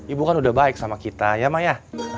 ibu kan udah baik sama kita ya mak ya